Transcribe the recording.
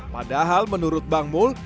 padahal menurut bang mul